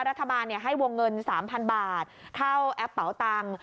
รัฐบาลให้วงเงิน๓๐๐๐บาทเข้าแอปเป๋าตังค์